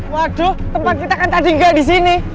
waduh tempat kita kan tadi gak disini